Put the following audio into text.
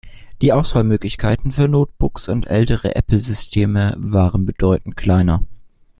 Die Auswahlmöglichkeiten für Notebooks und ältere Apple-Systeme waren bedeutend kleiner.